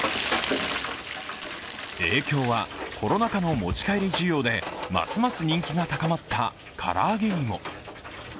影響はコロナ禍の持ち帰り需要でますます人気が高まった唐揚げにも。